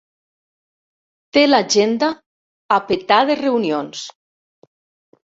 Té l'agenda a petar de reunions.